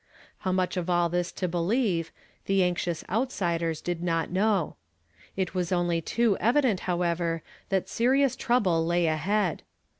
How much of all this to be lieve, the anxious outsiders did not know. It was only too evident, however, that serious trouble lay ahead.